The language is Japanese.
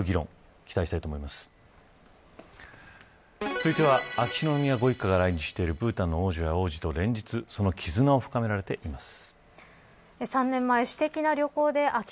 続きましては秋篠宮ご一家が、来日しているブータンの王女や王子と連日そのきずなを深められています。